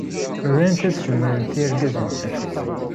Rant ad ssumarent irgazen-nsent.